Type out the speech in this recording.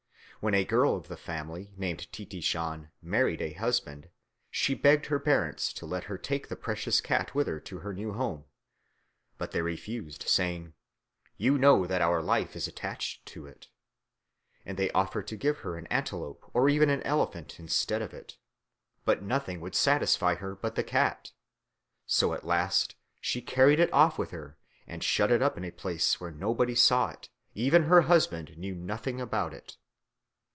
When a girl of the family, named Titishan, married a husband, she begged her parents to let her take the precious cat with her to her new home. But they refused, saying, "You know that our life is attached to it"; and they offered to give her an antelope or even an elephant instead of it. But nothing would satisfy her but the cat. So at last she carried it off with her and shut it up in a place where nobody saw it; even her husband knew nothing about it.